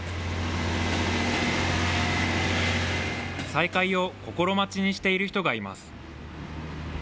再開を心待ちにしている人がいます。